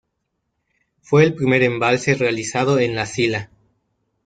Fue el primer embalse realizado en La Sila.